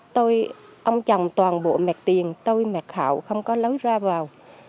tôi ông chồng toàn bộ mẹ tiền tôi mẹ khảo không có lối ra vào